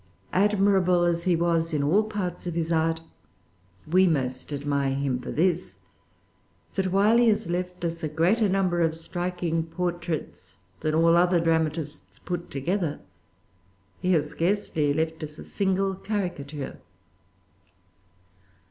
Admirable as he was in all parts of his art, we most admire him for this, that while he has left us a greater number of striking portraits than all other dramatists put together, he has scarcely left us a single caricature.